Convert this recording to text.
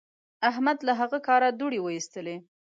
احمد له هغه کاره دوړې واېستلې.